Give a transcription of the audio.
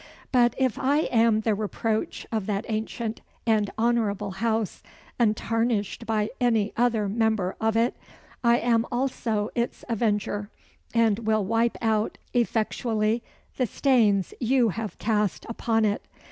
But if I am the reproach of that ancient and honourable house untarnished by any other member of it I am also its avenger, and will wipe out effectually the stains you have cast upon it.